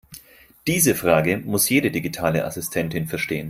Diese Frage muss jede digitale Assistentin verstehen.